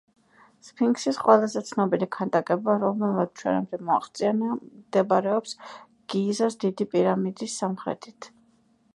სფინქსის ყველაზე ცნობილი ქანდაკება, რომელმაც ჩვენამდე მოაღწია მდებარეობს გიზას დიდი პირამიდის სამხრეთით.